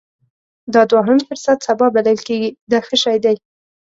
دا دوهم فرصت سبا بلل کېږي دا ښه شی دی.